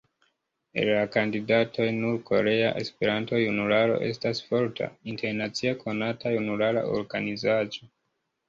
El la kandidatoj nur Korea Esperanto-Junularo estas forta, internacie konata junulara organizaĵo.